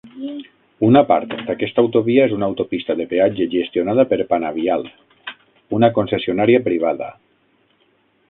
Una part d'aquesta autovia és una autopista de peatge gestionada per Panavial, una concessionària privada.